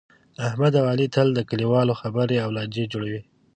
احمد اوعلي تل د کلیوالو خبرې او لانجې جوړوي.